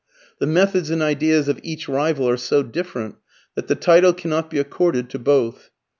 The methods and ideas of each rival are so different that the title cannot be accorded to both.